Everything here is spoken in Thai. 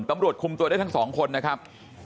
ตำรวจคุมตัวได้ทั้งสองคนนะครับ